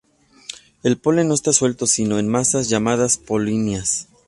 El polen no está suelto sino en masas llamadas polinias.